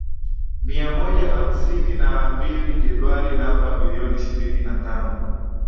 mia moja hamsini na mbili Jedwali namba bilioni ishirini na tano